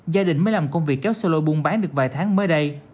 gia đình mới làm công việc kéo xe lôi buôn bán được vài tháng mới đây